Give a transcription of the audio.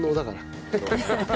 ハハハ。